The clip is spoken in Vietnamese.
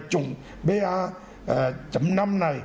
trùng pa năm này